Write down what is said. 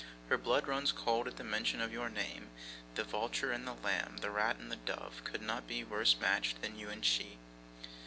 Her blood runs cold at the mention of your name; the vulture and the lamb, the rat and the dove, could not be worse matched than you and she.